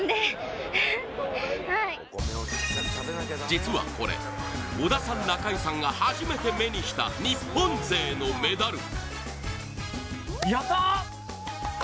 実はこれ織田さん、中井さんが初めて目にした日本勢のメダル。